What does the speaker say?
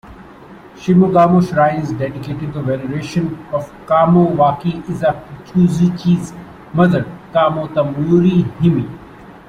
Shimogamo Shrine is dedicated to the veneration of Kamo Wake-ikazuchi's mother, Kamo Tamayori-hime.